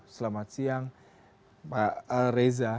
selamat siang pak reza